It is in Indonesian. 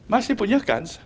masih punya kans